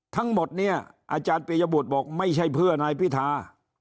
ทั้งหมดเนี่ยอาจารย์ปียบุตรบอกไม่ใช่เพื่อนายพิธา